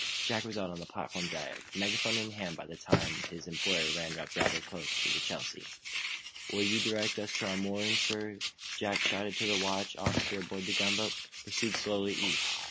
Jack was out on the platform deck, megaphone in hand, by the time that his employer ran up rather close to the "Chelsea." "Will you direct us to our moorings, sir?" Jack shouted to the watch officer aboard the gunboat. "Proceed slowly east.